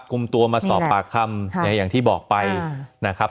กลุ่มตัวมาสอบปากคำอย่างที่บอกไปนะครับ